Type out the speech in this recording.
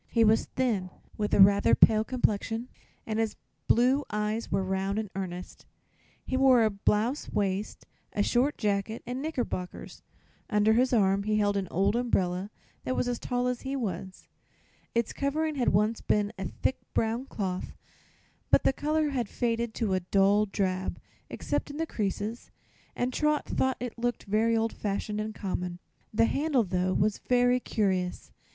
He was thin, with a rather pale complexion and his blue eyes were round and earnest. He wore a blouse waist, a short jacket and knickerbockers. Under his arm he held an old umbrella that was as tall as he was. Its covering had once been of thick brown cloth, but the color had faded to a dull drab, except in the creases, and Trot thought it looked very old fashioned and common. The handle, though, was really curious.